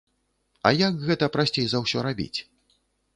А як гэта прасцей за ўсё рабіць?